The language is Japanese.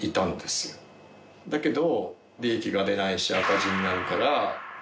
だけど。